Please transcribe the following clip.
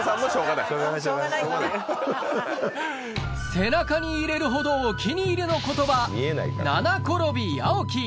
背中に入れるほどお気に入りの言葉「七転び八起き」